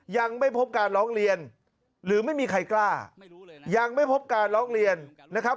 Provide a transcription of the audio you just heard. ยังไม่พบการร้องเรียนหรือไม่มีใครกล้ายังไม่พบการร้องเรียนนะครับ